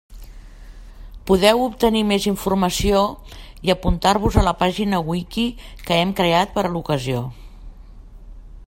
Podeu obtenir més informació i apuntar-vos a la pàgina Wiki que hem creat per a l'ocasió.